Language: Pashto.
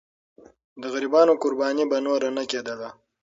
د غریبانو قرباني به نور نه کېدله.